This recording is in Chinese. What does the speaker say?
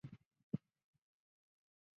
后来一同入读香港华仁书院。